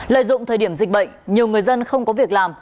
lợi dụng thời điểm dịch bệnh nhiều người dân không có việc làm